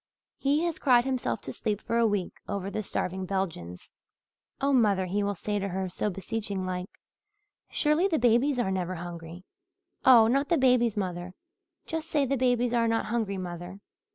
He has cried himself to sleep for a week, over the starving Belgians. 'Oh, mother,' he will say to her, so beseeching like, 'surely the babies are never hungry oh, not the babies, mother! Just say the babies are not hungry, mother.'